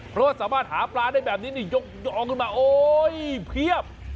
เพราะว่าสามารถหาปลาได้แบบนี้นี่ยกยองขึ้นมาโอ๊ยเพียบ